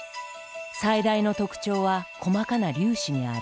最大の特徴は細かな粒子にある。